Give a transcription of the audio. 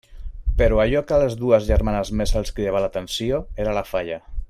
Però allò que a les dues germanes més els cridava l'atenció era la falla.